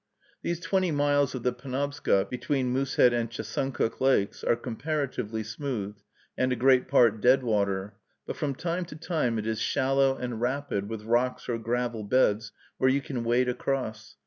These twenty miles of the Penobscot, between Moosehead and Chesuncook lakes, are comparatively smooth, and a great part deadwater; but from time to time it is shallow and rapid, with rocks or gravel beds, where you can wade across.